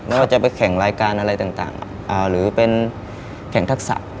ว่าจะไปแข่งรายการอะไรต่างหรือเป็นแข่งทักษะ